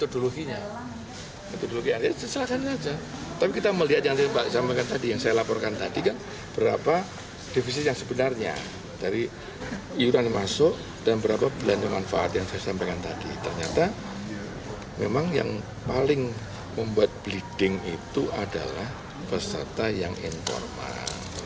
dan yang manfaat yang saya sampaikan tadi ternyata memang yang paling membuat bleeding itu adalah peserta yang informal